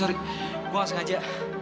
sorry sorry gua ga sengaja